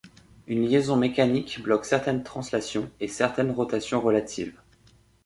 Une liaison mécanique bloque certaines translations et certaines rotations relatives.